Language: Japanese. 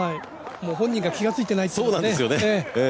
本人が気がついていないというね。